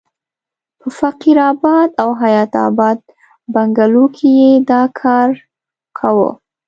په فقیر اباد او حیات اباد بنګلو کې یې دا کار کاوه.